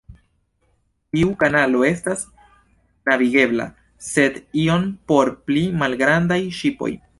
Tiu kanalo estas navigebla, sed iom por pli malgrandaj ŝipoj.